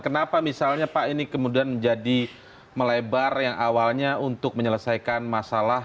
kenapa misalnya pak ini kemudian menjadi melebar yang awalnya untuk menyelesaikan masalah